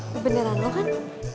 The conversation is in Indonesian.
kebenaran lu kan